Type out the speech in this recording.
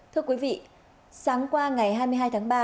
thưa quý vị sáng qua ngày hai mươi hai tháng ba